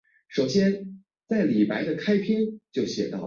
耶律铎轸在官任上去世。